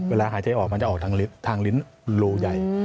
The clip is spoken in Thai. หายใจออกมันจะออกทางลิ้นรูใหญ่